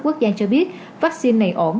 quốc gia cho biết vaccine này ổn